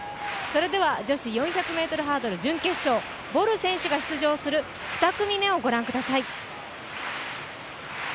女子４００ｍハードル準決勝、ボル選手が出場す２組目をご覧ください。